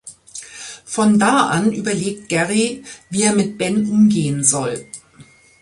Von da an überlegt Gerry, wie er mit Ben umgehen soll.